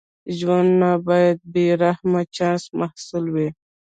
ژوند نه باید د بې رحمه چانس محصول وي.